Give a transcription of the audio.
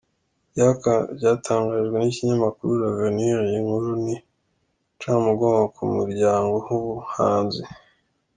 byatangajwe nikinyamakuru LAvenir, iyi nkuru ni incamugongo ku muryango wumuhanzi.